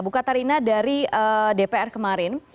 bukatarina dari dpr kemarin